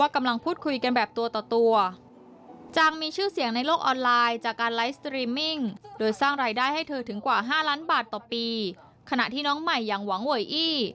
กว่า๕ล้านบาทต่อปีขณะที่น้องใหม่อย่างหวังเวยี่